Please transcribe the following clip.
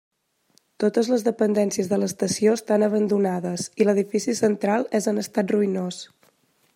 Totes les dependències de l'estació estan abandonades, i l'edifici central és en estat ruïnós.